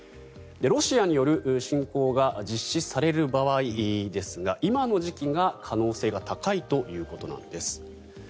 ロシアによる侵攻が実施される場合ですが今の時期が可能性が高いということです。